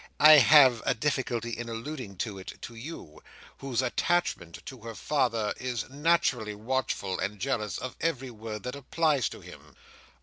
I have a difficulty in alluding to it to you, whose attachment to her father is naturally watchful and jealous of every word that applies to him."